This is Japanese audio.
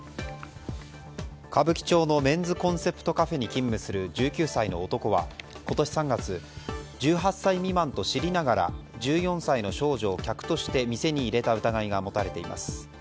歌舞伎町のメンズコンセプトカフェに勤務する１９歳の男は今年３月１８歳未満と知りながら１４歳の少女を客として店に入れた疑いが持たれています。